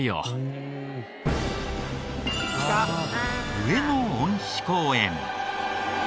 上野恩賜公園。